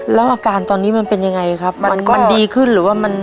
แล้วอาการตอนนี้มันเป็นยังไงครับมันมันดีขึ้นหรือว่ามัน